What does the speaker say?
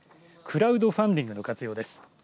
クラウドファンディングの活用です。